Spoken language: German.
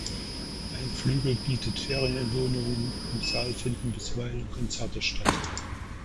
Ein Flügel bietet Ferienwohnungen, im Saal finden bisweilen Konzerte statt.